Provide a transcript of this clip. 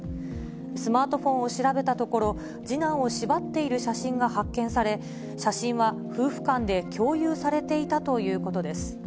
スマートフォンを調べたところ、次男を縛っている写真が発見され、写真は夫婦間で共有されていたということです。